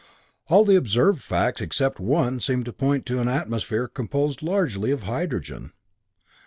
"All the observed facts except one seem to point to an atmosphere composed largely of hydrogen.